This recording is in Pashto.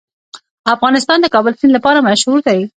افغانستان د د کابل سیند لپاره مشهور دی.